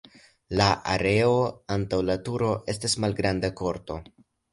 La areo antaŭ la turo estas malgranda korto.